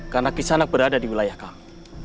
karena kisanak berada di wilayah kami